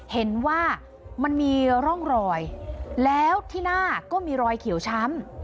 เห็นว่ามันมีร่องรอยแล้วที่หน้าก็มีรอยเขียวช้ำ